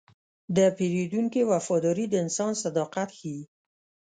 د پیرودونکي وفاداري د انسان صداقت ښيي.